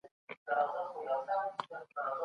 ايا په دې ټولنه کي د بشري حقوقو ساتنه کيږي؟